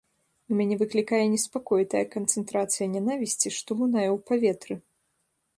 У мяне выклікае неспакой тая канцэнтрацыя нянавісці, што лунае ў паветры.